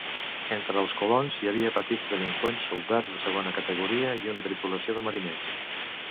Entre els colons hi havia petits delinqüents, soldats de segona categoria i una tripulació de mariners.